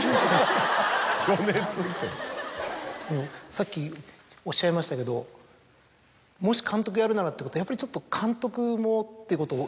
さっきおっしゃいましたけど「もし監督やるなら」ってことはやっぱりちょっと。